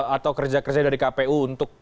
atau kerja kerja dari kpu untuk